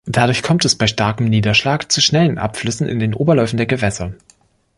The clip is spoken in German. Dadurch kommt es bei starkem Niederschlag zu schnellen Abflüssen in den Oberläufen der Gewässer.